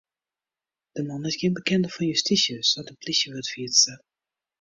De man is gjin bekende fan justysje, seit in plysjewurdfierster.